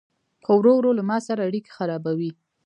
خو ورو ورو له ما سره اړيکي خرابوي